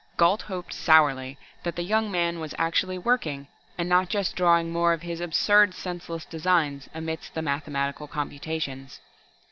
Gault hoped sourly that the young man was actually working and not just drawing more of his absurd, senseless designs amidst the mathematical computations....